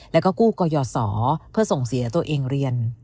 แล้วก็กู้กยศเพื่อส่งเสียตัวเองเรียน